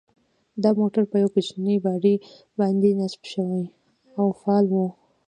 دا موټر په یوې کوچنۍ باډۍ باندې نصب شوی او فعال و.